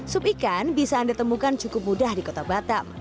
sup ikan bisa anda temukan cukup mudah di kota batam